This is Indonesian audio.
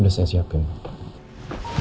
udah saya siapin papa